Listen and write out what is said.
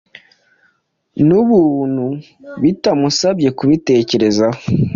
n’ubuntu bitamusabye kubitekerezaho.